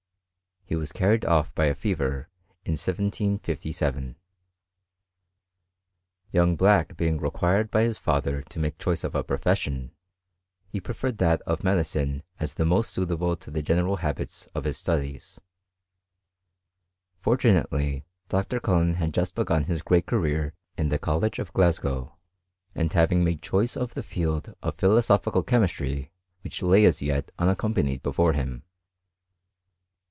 He wai carried off by a fever in 1757. Young Black being required by his father to makt choice of a profession, he preferred that of medicine as the most suitable to the general habits of his stodieili CHEItflSTRY IN GREAT BRITAIN. 315 Fortunately Dr. Cullen had just begun his great career in the College of Glasgow, and having made choice of the field of philosophical chemistry which lay as yet unoccupied before him.